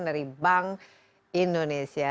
dari bank indonesia